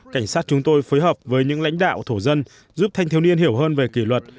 cảnh sát chúng tôi phối hợp với những lãnh đạo thổ dân giúp thanh thiếu niên hiểu hơn về kỷ luật